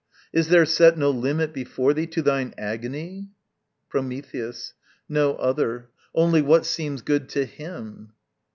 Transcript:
Is there set No limit before thee to thine agony? Prometheus. No other: only what seems good to HIM.